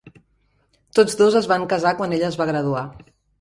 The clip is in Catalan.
Tots dos es van casar quan ella es va graduar.